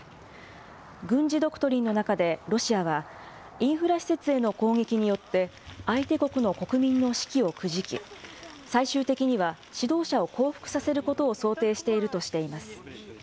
軍事ドクトリンの中でロシアは、インフラ施設への攻撃によって、相手国の国民の士気をくじき、最終的には指導者を降伏させることを想定しているとしています。